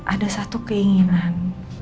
ada satu keinginan